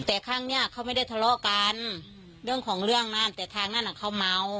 แต่ครั้งเนี้ยเขาไม่ได้ทะเลาะกันเรื่องของเรื่องนั่นแต่ทางนั้นอ่ะเขาเมา